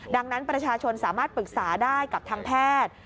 ดังนั้นประชาชนสามารถปรึกษาได้กับทางแพทย์